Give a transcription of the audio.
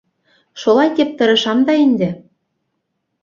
— Шулай тип тырышам да инде.